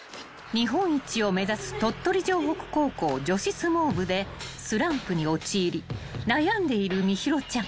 ［日本一を目指す鳥取城北高校女子相撲部でスランプに陥り悩んでいる心優ちゃん］